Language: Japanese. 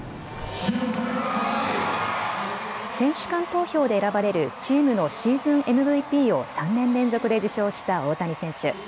選手間投票で選ばれるチームのシーズンＭＶＰを３年連続で受賞した大谷選手。